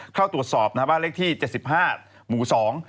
เข้าตรวจสอบบ้านเลขที่๗๕หมู่๒